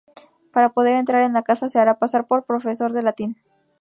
Para poder entrar en la casa se hará pasar por profesor de latín.